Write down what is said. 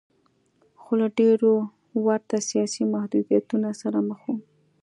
خو له ډېرو ورته سیاسي محدودیتونو سره مخ و.